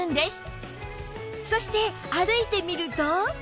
そして歩いてみると